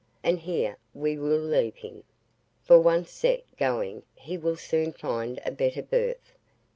and here we will leave him, for once set going he will soon find a better berth.